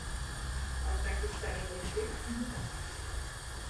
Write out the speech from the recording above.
Z haly je vstup na terasu se zděným zábradlím a zděným schodištěm na zahradu.